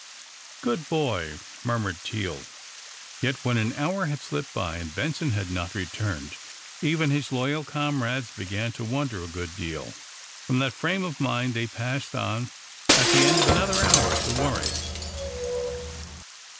"Good boy" murmured Teal. Yet, when an hour had slipped by, and Benson had not returned, even his loyal comrades began to wonder a good deal. From that frame of mind they passed on, at the end of another hour, to worry.